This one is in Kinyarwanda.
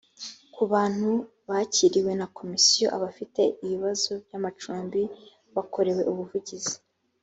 ku bantu bakiriwe na komisiyo abafite ibibazo by amacumbi bakorewe ubuvugizi